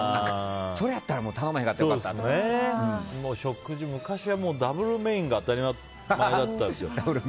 それやったら頼まへんかったら食事、昔はダブルメインが当たり前だったんですよ。